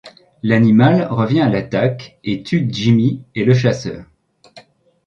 L'animal revient à l'attaque et tue Jimmy et le chasseur.